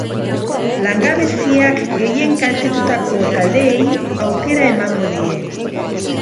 Langabeziak gehien kaltetutako taldeei aukera emango die.